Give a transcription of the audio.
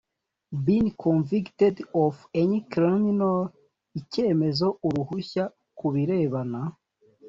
been convicted of any criminal icyemezo uruhushya ku birebana